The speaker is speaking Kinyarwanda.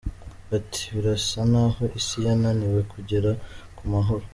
Ati “Birasa n’aho isi yananiwe kugera ku mahoro.